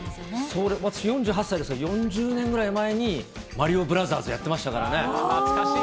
そうですね、私４８歳ですが、４０年ぐらい前にマリオブラザーズやってましたからね。